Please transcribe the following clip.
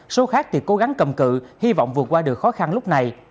số khác thì cố gắng cầm cự hy vọng vượt qua được khó khăn lúc này